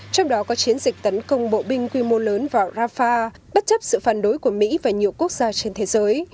trong đó có chiến dịch tấn công bộ binh quy mô lớn vào rafah bất chấp sự phản đối của mỹ và nhiều quốc gia trên thế giới